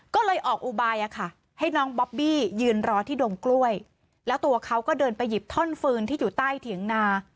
ก็เลยออกอุบายอะค่ะให้น้องบอบบี้ยืนรอที่ดงกล้วยแล้วตัวเขาก็เดินไปหยิบท่อนฟืนที่อยู่ใต้เถียงนา